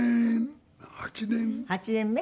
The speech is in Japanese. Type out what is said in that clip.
８年目？